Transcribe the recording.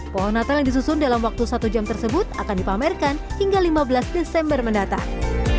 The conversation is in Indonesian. pohon natal yang disusun dalam waktu satu jam tersebut akan dipamerkan hingga lima belas desember mendatang